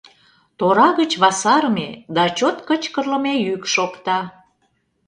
Тора гыч васарыме да чот кычкырлыме йӱк шокта.